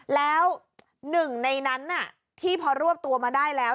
แล้วหนึ่งในนั้นที่พอรวบตัวมาได้แล้ว